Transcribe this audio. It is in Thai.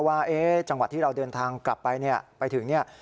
ว่าจังหวัดที่เราเดินทางกลับไปเนี่ยไปถึงเนี่ย